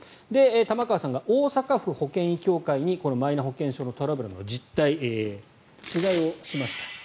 玉川さんが大阪府保険医協会にマイナ保険証のトラブルの実態取材をしました。